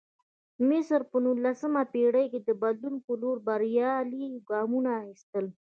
مصر په نولسمه پېړۍ کې د بدلون په لور بریالي ګامونه اخیستل.